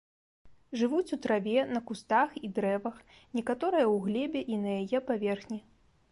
Жывуць у траве, на кустах і дрэвах, некаторыя ў глебе і на яе паверхні.